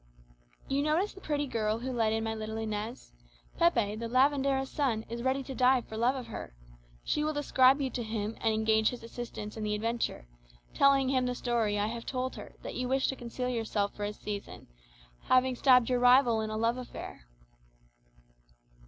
"You noticed the pretty girl who led in my little Inez? Pepe, the lavandera's son, is ready to die for the love of her. She will describe you to him, and engage his assistance in the adventure, telling him the story I have told her, that you wish to conceal yourself for a season, having stabbed your rival in a love affair."